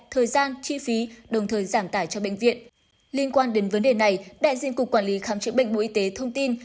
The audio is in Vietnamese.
thời gian chi phí đồng thời giảm tải cho bệnh viện